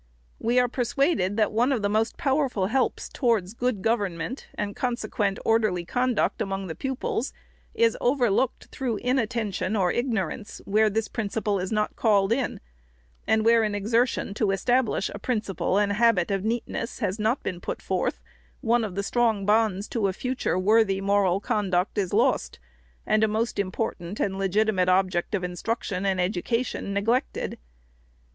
We are persuaded that one of the most powerful helps towards good government, and consequent orderly conduct among the pupils, is over looked, through inattention or ignorance, where this prin ciple is not called in ; and where an exertion to establish a principle and habit of neatness has not been put forth, one of the strong bonds to a future worthy moral conduct is lost, and a most important and legitimate object of instruction and education neglected.